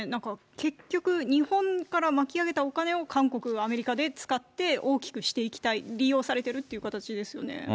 結局、日本から巻き上げたお金を韓国やアメリカで使って、大きくしていきたい、利用されてるっていう形ですよね。